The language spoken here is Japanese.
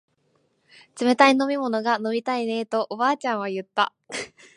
冷たい飲み物が飲みたいねえとおばあちゃんは言った